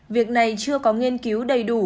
việc này chưa có nghiên cứu đầy đủ